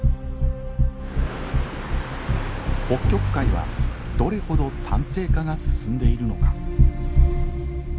北極海はどれほど酸性化が進んでいるのか。